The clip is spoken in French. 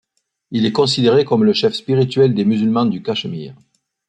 Il est considéré comme le chef spirituel des musulmans du Cachemire.